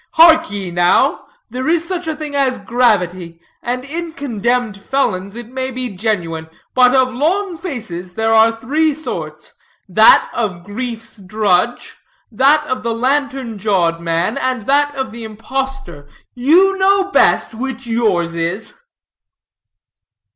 Hark ye, now: there is such a thing as gravity, and in condemned felons it may be genuine; but of long faces there are three sorts; that of grief's drudge, that of the lantern jawed man, and that of the impostor. You know best which yours is."